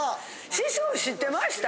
師匠知ってました？